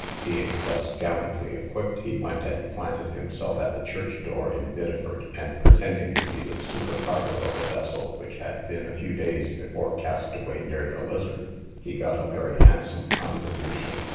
Being thus gallantly equipped, he went and planted himself at the church door in Biddeford, and pretending to be the supercargo of a vessel which had been a few days before cast away near the Lizard, he got a very handsome contribution.